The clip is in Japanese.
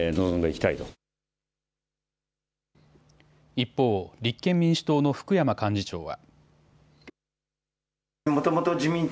一方、立憲民主党の福山幹事長は。